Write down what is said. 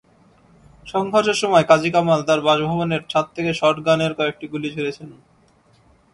সংঘর্ষের সময় কাজী কামাল তাঁর বাসভবনের ছাদ থেকে শটগানের কয়েকটি গুলি ছুড়েছেন।